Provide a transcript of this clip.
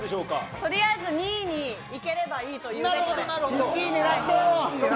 とりあえず２位にいければいいということで。